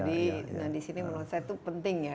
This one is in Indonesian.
jadi nah disini menurut saya itu penting ya